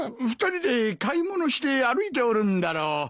２人で買い物して歩いておるんだろう。